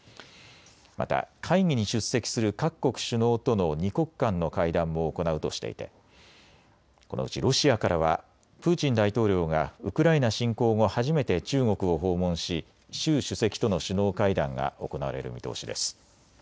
また会議に出席する各国首脳との２国間の会談も行うとしていてこのうちロシアからはプーチン大統領がウクライナ侵攻後、初めて中国を訪問し習主席との首脳会談が行われる見通しです。